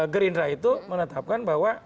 gerindra itu menetapkan bahwa